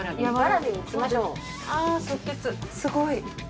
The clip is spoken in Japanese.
すごい。